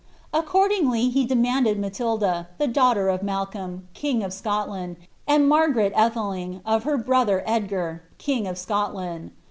Accordingly he demanded Matilda, the daughter of Malcolm, king of Scotland, and Margaret Atheling, of her brother Edgar, king of Scotland.